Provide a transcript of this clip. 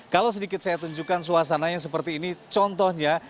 kalau sedikit saya tunjukkan suasananya seperti ini contohnya